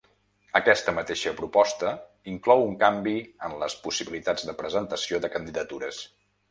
Aquesta mateixa proposta inclou un canvi en les possibilitats de presentació de candidatures.